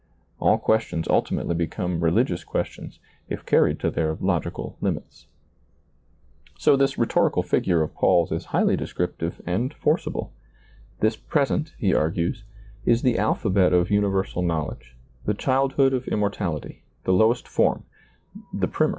All questions ultimately become religious questions, if carried to their logical limits. So, this rhetorical figure of Paul's is highly descriptive and forcible. This present, he argues, is the alphabet of universal knowledge, the child hood of immortality, the lowest form, the primer.